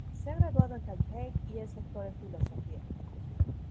Se ha graduado en Caltech y es doctora en filosofía.